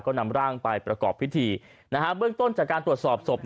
ก็นำร่างไปประกอบพิธีเบื้องต้นจากการตรวจสอบศพ